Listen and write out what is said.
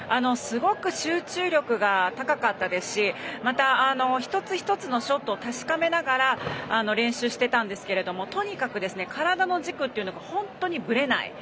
すごく集中力が高かったですしまた、一つ一つのショットを確かめながら練習していたんですけれどもとにかく体の軸が本当にぶれない。